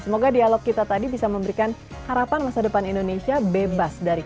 semoga dialog kita tadi bisa memberikan harapan masa depan indonesia bebas dari